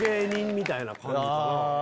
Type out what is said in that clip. みたいな感じかな。